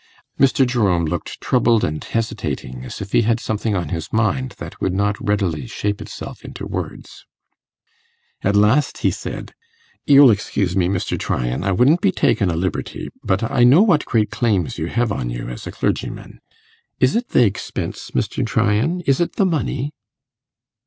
Mr. Jerome looked troubled and hesitating, as if he had something on his mind that would not readily shape itself into words. At last he said, 'You'll excuse me, Mr. Tryan, I wouldn't be takin' a liberty, but I know what great claims you hev on you as a clergyman. Is it th' expense, Mr. Tryan? is it the money?